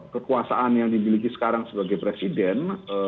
kekuasaan yang dimiliki sekarang sebagai presiden